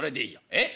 「えっ？」。